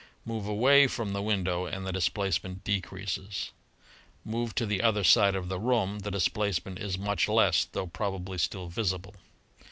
Move away from the window and the displace ment decreases. Move to the other side of the room, the displacement is much less, tho probably still visible.